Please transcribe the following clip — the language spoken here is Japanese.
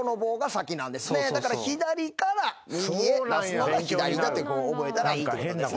だから左から右へ出すのが左だって覚えたらいいってことですね。